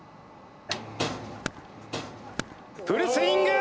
フルスイング！